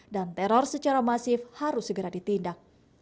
dan teror secara masif harus segera ditindak